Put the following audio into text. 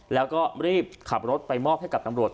แล้วก็รีบขับรถไปมอบให้กับตำรวจ